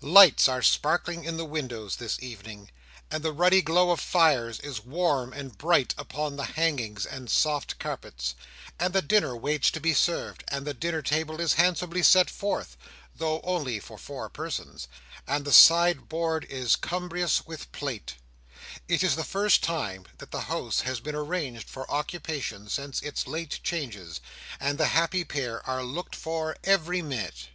Lights are sparkling in the windows this evening, and the ruddy glow of fires is warm and bright upon the hangings and soft carpets, and the dinner waits to be served, and the dinner table is handsomely set forth, though only for four persons, and the side board is cumbrous with plate. It is the first time that the house has been arranged for occupation since its late changes, and the happy pair are looked for every minute.